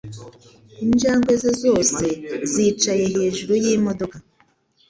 Injangwe ze zose zicaye hejuru yimodoka.